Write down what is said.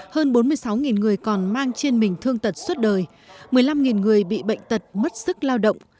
hơn bốn mươi sáu người còn mang trên mình thương tật suốt đời một mươi năm người bị bệnh tật mất sức lao động